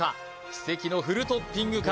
奇跡のフルトッピングか？